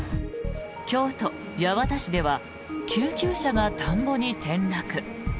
京都・八幡市では救急車が田んぼに転落。